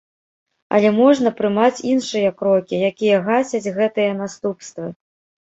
Але можна прымаць іншыя крокі, якія гасяць гэтыя наступствы.